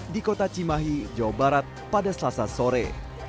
di kota cimahi jawa barat pada selasa sore